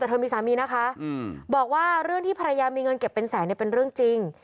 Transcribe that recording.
แต่เธอมีสามีนะคะบอกว่าเรื่องที่ภรรยามีเงินเก็บเป็นแสนเนี่ยเป็นเรื่องจริง